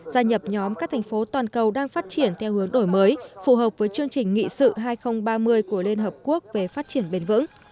gia nhập nhóm các thành phố toàn cầu đang phát triển theo hướng đổi mới phù hợp với chương trình nghị sự hai nghìn ba mươi của liên hợp quốc về phát triển bền vững